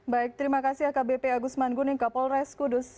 baik terima kasih ya kbp agus mangguni mka polres kudus